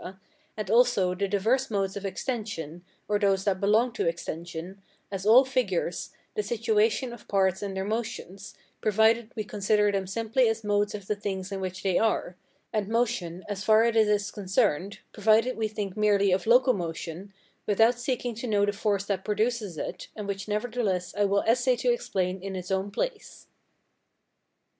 and also the diverse modes of extension, or those that belong to extension, as all figures, the situation of parts and their motions, provided we consider them simply as modes of the things in which they are; and motion as far as it is concerned, provided we think merely of locomotion, without seeking to know the force that produces it, and which nevertheless I will essay to explain in its own place.